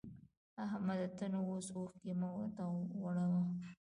احمده! ته نو اوس اوښکی مه ورته غوړوه.